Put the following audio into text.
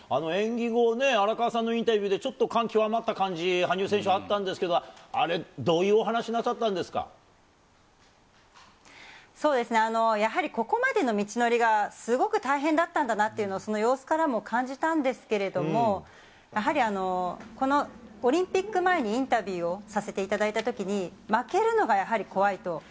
演技後、荒川さんのインタビューでちょっと感極まった感じ、羽生選手あったんですが、あれ、やはりここまでの道のりがすごく大変だったんだなっていうの、その様子からも感じたんですけれども、やはりこのオリンピック前にインタビューをさせていただいたときに、負けるのがやはり怖いと。